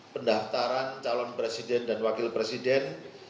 pendaftaran calon presiden dan wakil presiden